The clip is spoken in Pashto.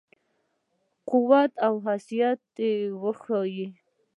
قوت او حیثیت وښيي.